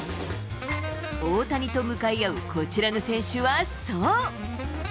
大谷と向かい合うこちらの選手はそう。